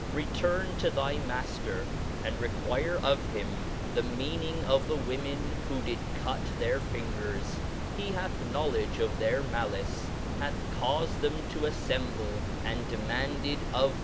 return to thy Mafter, and require of him the meaning of the women who did cut their fingers, he hath knowledge of their malice, hath caufed them toaffcmble, and demanded of them Q?